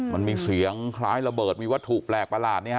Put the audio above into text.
มันมีเสียงคล้ายระเบิดมีวัตถุแปลกประหลาดเนี่ยฮะ